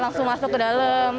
langsung masuk ke dalam